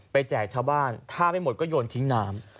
แจกชาวบ้านถ้าไม่หมดก็โยนทิ้งน้ำ